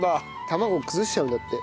卵崩しちゃうんだって。